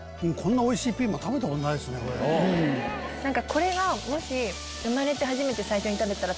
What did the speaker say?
これがもし。